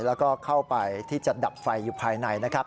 แล้วก็เข้าไปที่จะดับไฟอยู่ภายในนะครับ